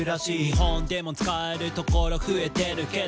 「日本でも使えるところ増えてるけど」